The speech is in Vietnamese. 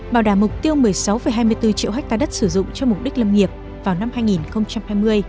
bảo đảm mục tiêu một mươi sáu hai mươi bốn triệu hectare đất sử dụng cho mục đích lâm nghiệp vào năm hai nghìn hai mươi